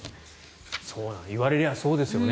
言われればそうですよね。